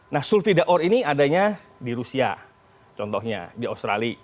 nah sulfida ore ini adanya di rusia contohnya di australia